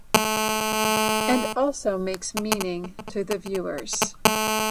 And also makes meaning to the viewers.